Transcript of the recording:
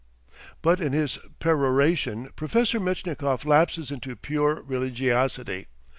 But in his peroration Professor Metchnikoff lapses into pure religiosity.